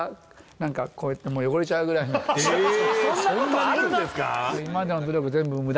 そんなことあるんですか